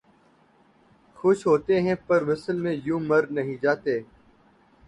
خوش ہوتے ہیں پر وصل میں یوں مر نہیں جاتے